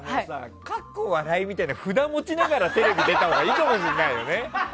みたいな札を持ちながらテレビ出たほうがいいかもしれないよね。